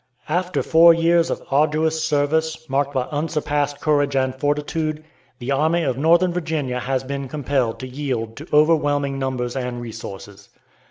After four years of arduous service, marked by unsurpassed courage and fortitude, the Army of Northern Virginia has been compelled to yield to overwhelming numbers and resources.